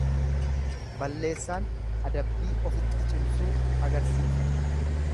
Balleessaan adabbii ofitti cimsuu agarsiisa.